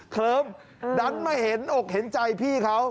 เทิมดันมาเห็นอกเห็นใจพี่เขา